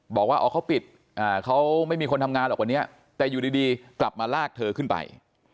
บอกว่าอ๋อเขาปิดเขาไม่มีคนทำงานหรอกวันนี้แต่อยู่ดีกลับมาลากเธอขึ้นไป